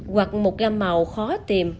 hoặc một gam màu khó tìm